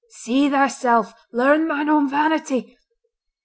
See thyself! Learn thine own vanity!